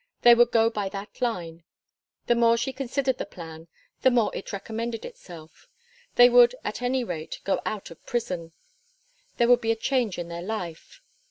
They would go by that line. The more she considered the plan the more it recommended itself. They would at any rate go out of prison. There would be a change in their life.